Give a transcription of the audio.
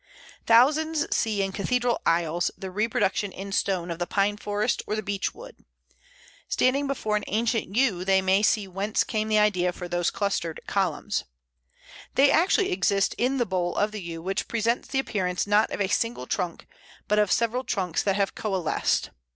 Thousands see in cathedral aisles the reproduction in stone of the pine forest or the beech wood. Standing before an ancient Yew they may see whence came the idea for those clustered columns. They actually exist in the bole of the Yew, which presents the appearance not of a single trunk, but of several trunks that have coalesced.